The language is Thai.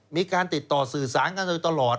มีการติดต่อสื่อสารกันโดยตลอด